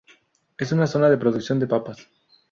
Es una zona de producción de papas.